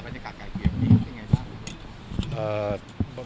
บรรยากาศกายเครียดเป็นอย่างไรครับ